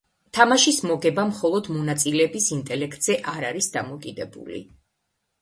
თამაშის მოგება მხოლოდ მონაწილეების ინტელექტზე არ არის დამოკიდებული.